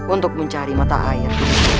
untuk mencari mata ayah